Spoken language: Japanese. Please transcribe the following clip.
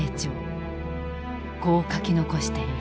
こう書き残している。